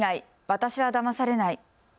私はだまされない。